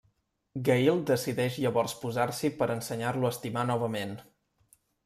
Gail decideix llavors posar-s'hi per ensenyar-lo a estimar novament.